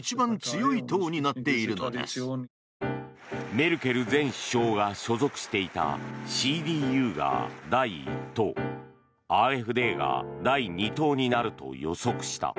メルケル前首相が所属していたＣＤＵが第１党ＡｆＤが第２党になると予測した。